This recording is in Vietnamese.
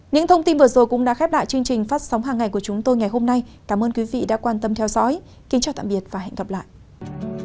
những thông tin vừa rồi cũng đã khép lại chương trình phát sóng hàng ngày của chúng tôi ngày hôm nay cảm ơn quý vị đã quan tâm theo dõi kính chào tạm biệt và hẹn gặp lại